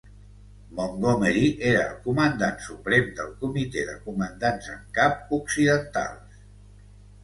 Montgomery era el comandant suprem del comitè de comandants en cap occidentals.